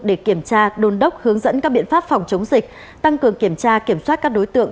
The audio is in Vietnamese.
để kiểm tra đôn đốc hướng dẫn các biện pháp phòng chống dịch tăng cường kiểm tra kiểm soát các đối tượng